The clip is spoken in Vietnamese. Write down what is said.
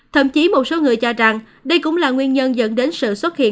thậm chí một số người cho rằng đây cũng là nguyên nhân dẫn đến sự xuất hiện